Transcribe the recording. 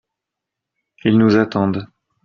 Ils nous attendent.